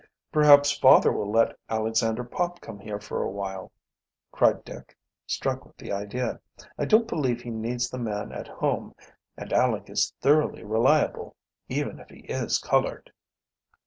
"Perhaps father will let Alexander Pop come up here for a while," cried Dick, struck with the idea. "I don't believe he needs the man at home, and Aleck is thoroughly reliable, even if he is colored."